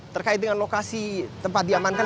terkait dengan lokasi tempat diamankan